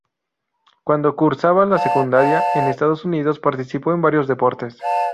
Cuando cursaba la secundaria en Estados Unidos participó en varios deportes.